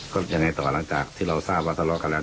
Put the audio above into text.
ก็ยังไงต่อหลังจากที่เราทราบว่าทะเลาะกันแล้ว